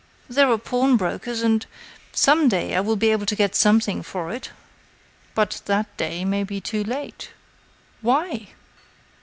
"There are pawnbrokers.... and, some day, I will be able to get something for it." "But that day may be too late." "Why?"